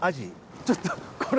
ちょっとこれ。